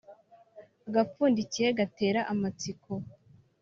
Agapfundikiye gatera amatsiko.